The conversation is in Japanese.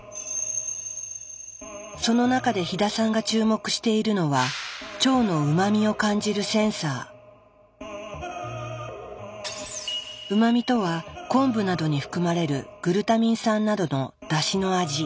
その中で飛田さんが注目しているのはうま味とは昆布などに含まれる「グルタミン酸」などのだしの味。